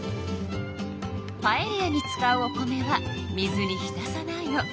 パエリアに使うお米は水に浸さないの。